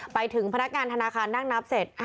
ไปถึงพนักงานธนาคารนั่งนับเสร็จ